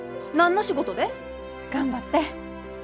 何の仕事で？頑張って。